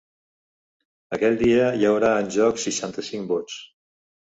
Aquell dia hi haurà en joc seixanta-cinc vots.